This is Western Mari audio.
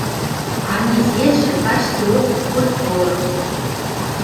А незержӹ, качдеок, хоть колы